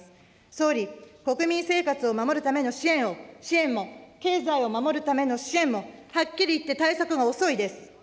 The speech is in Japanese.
総理、国民生活を守るための支援を、支援も、経済を守るための支援もはっきり言って対策が遅いです。